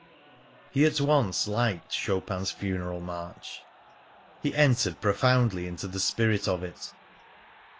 He at once liked Chopin's Funeral March. He entered profoundly into the spirit of it.